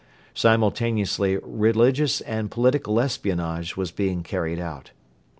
Simultaneously religious and political espionage was being carried out.